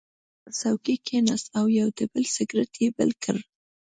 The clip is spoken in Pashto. هغه پر څوکۍ کېناست او یو ډبل سګرټ یې بل کړ